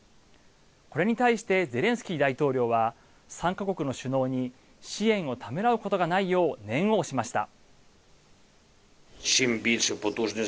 これに対してゼレンスキー大統領は、３か国の首脳に支援をためらうことがないよう念を押しました。